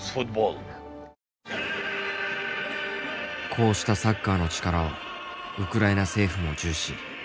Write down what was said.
こうしたサッカーの力をウクライナ政府も重視。